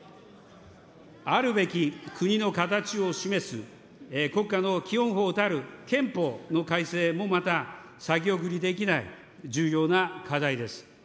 あるべき国の形を示す、国家の基本法たる憲法の改正もまた、先送りできない重要な課題です。